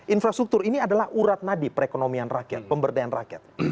infrastruktur ini adalah urat nadi perekonomian rakyat pemberdayaan rakyat